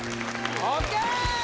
ＯＫ！